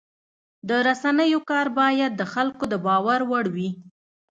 د رسنیو کار باید د خلکو د باور وړ وي.